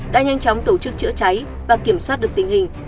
đã nhanh chóng tổ chức chữa cháy và kiểm soát được tình hình